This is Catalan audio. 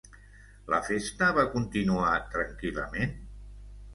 La festa va continuar tranquil·lament?